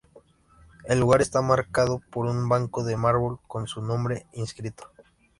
El lugar está marcado por un banco de mármol con su nombre inscripto.